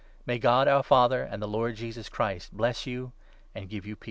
May God, our Father, and the Lord Jesus Christ bless you 3 and give you peace.